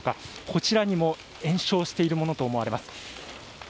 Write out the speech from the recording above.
こちらにも延焼しているものと思われます。